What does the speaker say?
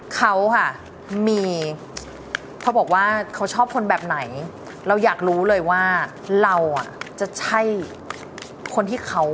เขาอ่ะมีเพราะบอกว่าเขาชอบคนแบบไหน